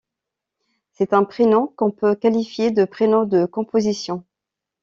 C'est un prénom qu'on peut qualifier de prénom de composition.